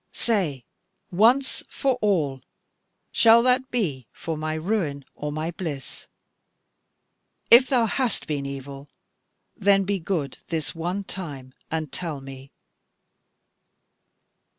Say once for all, shall that be for my ruin or my bliss? If thou hast been evil, then be good this one time and tell me."